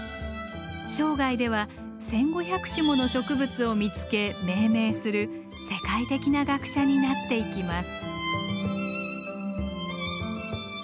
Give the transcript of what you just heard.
生涯では１，５００種もの植物を見つけ命名する世界的な学者になっていきます。